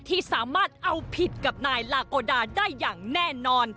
ที่สามารถเอาผิดกับนายลาโอดาได้อย่างแน่นอน